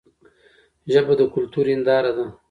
ژبه د کلتور هنداره ده.